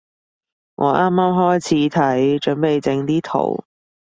我啱啱開始睇，準備整啲圖